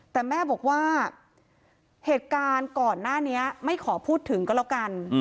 แต่แม่บอกว่าเหตุการณ์ก่อนหน้านี้ไม่ขอพูดถึงก็แล้วกัน